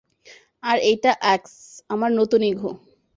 আর এইটা আক্স, আমার নতুন ইগো।